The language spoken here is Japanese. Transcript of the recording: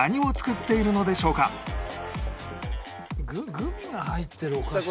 グミが入ってるお菓子。